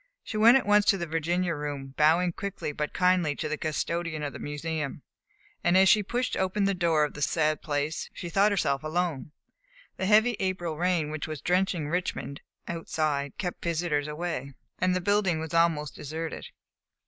She went at once to the Virginia Room, bowing quickly but kindly to the custodian of the Museum, and as she pushed open the door of the sad place, she thought herself alone. The heavy April rain which was drenching Richmond outside kept visitors away, and the building was almost deserted.